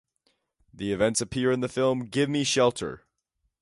The events appear in the film "Gimme Shelter".